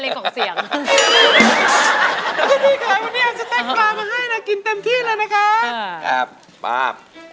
คุณพี่ลูกน้ำ